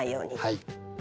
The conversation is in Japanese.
はい。